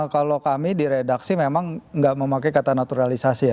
kalau kami di redaksi memang tidak memakai kata naturalisasi ya